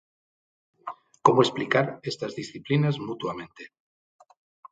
Como explicar estas disciplinas mutuamente?